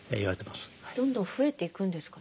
どんどん増えていくんですかね？